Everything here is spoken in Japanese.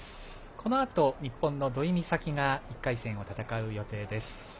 このあと、日本の土居美咲が１回戦を戦う予定です。